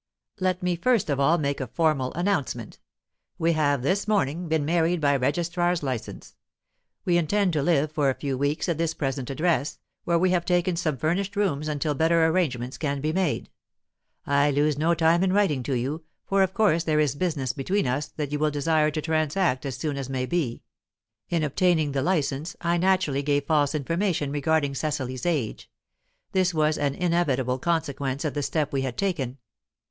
"Let me first of all make a formal announcement. We have this morning been married by registrar's licence. We intend to live for a few weeks at this present address, where we have taken some furnished rooms until better arrangements can be made. I lose no time in writing to you, for of course there is business between us that you will desire to transact as soon as may be. "In obtaining the licence, I naturally gave false information regarding Cecily's age; this was an inevitable consequence of the step we had taken.